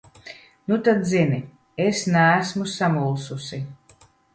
Nu tad zini: es neesmu samulsusi.